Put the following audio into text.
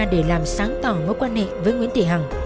để làm sáng tỏ mối quan hệ với nguyễn thị hằng